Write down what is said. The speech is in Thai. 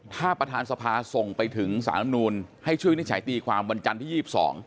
ถ้าประธานสภาส่งไปถึงสารธรรมนูลให้ช่วยวินิจฉัยตีความวันจันทร์ที่๒๒